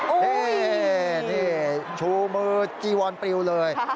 นี่ชูมือจีวอนปริวเลย